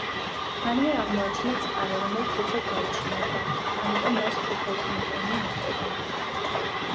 მანვე აღმოაჩინა წყარო, რომელიც უცებ გაუჩინარდა, ამიტომ მას ტვიფელფონტეინი უწოდა.